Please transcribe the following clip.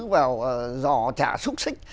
vào giò chả xúc xích